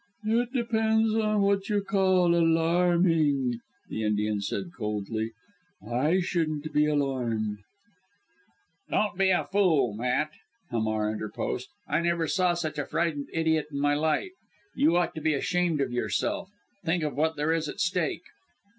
"It depends on what you call alarming," the Indian said coldly. "I shouldn't be alarmed." "Don't be a fool, Matt," Hamar interposed. "I never saw such a frightened idiot in my life. You ought to be ashamed of yourself. Think of what there is at stake."